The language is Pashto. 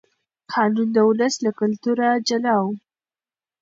قانون د ولس له کلتوره جلا و.